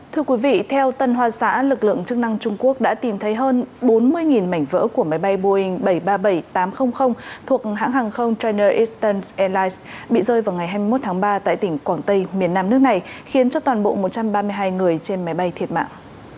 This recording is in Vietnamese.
thưa quý vị theo tân hoa xã lực lượng chức năng trung quốc đã tìm thấy hơn bốn mươi mảnh vỡ của máy bay boeing bảy trăm ba mươi bảy tám trăm linh thuộc hãng hàng không china istan airlines bị rơi vào ngày hai mươi một tháng ba tại tỉnh quảng tây miền nam nước này khiến cho toàn bộ một trăm ba mươi hai người trên máy bay thiệt mạng